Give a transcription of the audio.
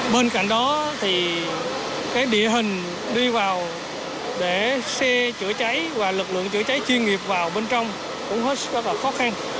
bên cạnh đó thì cái địa hình đi vào để xe chữa cháy và lực lượng chữa cháy chuyên nghiệp vào bên trong cũng hết sức là khó khăn